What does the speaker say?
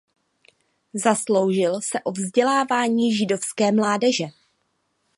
Zasloužil se o vzdělávání židovské mládeže.